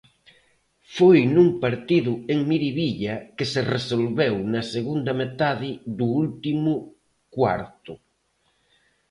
Foi nun partido en Miribilla que se resolveu na segunda metade do último cuarto.